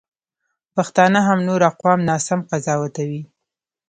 پښتانه هم نور اقوام ناسم قضاوتوي.